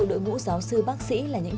người bệnh hồi phục nhanh chóng